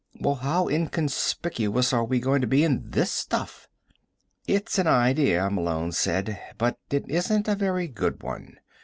"Well, how inconspicuous are we going to be in this stuff?" "It's an idea," Malone said. "But it isn't a very good one.